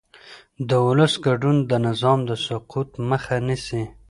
د ولس ګډون د نظام د سقوط مخه نیسي